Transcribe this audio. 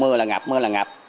mưa là ngập mưa là ngập